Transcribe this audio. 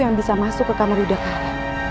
yang bisa masuk ke kamar yudhacara